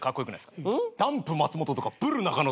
ダンプ松本とかブル中野とかね。